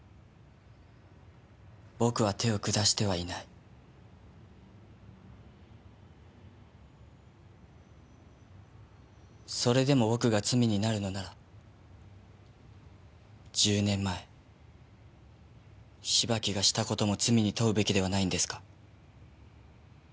僕は手を下してはいない。それでも僕が罪になるのなら１０年前芝木がした事も罪に問うべきではないんですか？